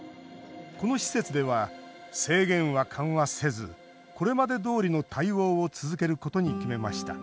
この施設では制限は緩和せずこれまでどおりの対応を続けることに決めました。